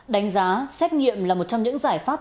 đánh giá xét nghiệm là một trong những giải pháp